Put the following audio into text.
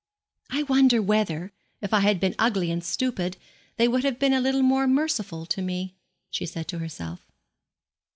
'I wonder whether, if I had been ugly and stupid, they would have been a little more merciful to me?' she said to herself.